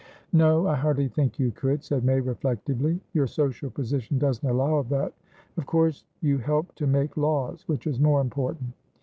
"No, I hardly think you could," said May, reflectively. "Your social position doesn't allow of that. Of course you help to make laws, which is more important."